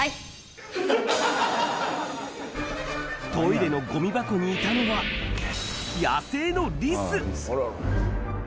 トイレのごみ箱にいたのは、野生のリス。